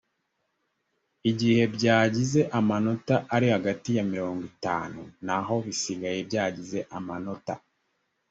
igihe byagize amanota ari hagati ya mirongo itanu naho bisigaye byagize amanota